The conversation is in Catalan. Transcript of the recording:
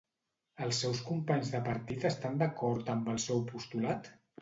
Els seus companys de partit estan d'acord amb el seu postulat?